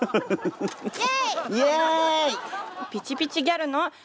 イエイ！